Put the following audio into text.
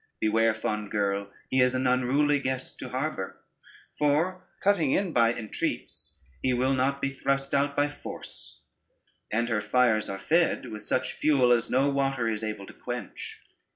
Beware, fond girl, he is an unruly guest to harbor; for cutting in by entreats, he will not be thrust out by force, and her fires are fed with such fuel, as no water is able to quench.